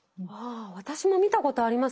私も見たことあります！